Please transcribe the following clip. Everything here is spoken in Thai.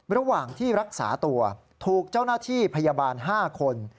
ระหว่างที่รักษาตัวถูกเจ้าหน้าที่พยาบาล๕คน